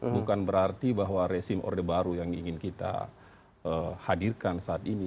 bukan berarti bahwa resim orde baru yang ingin kita hadirkan saat ini